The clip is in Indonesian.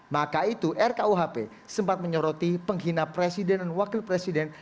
maka itu rkuhp sempat menyoroti penghina presiden dan wakil presiden